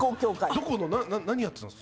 どこの何やってたんです？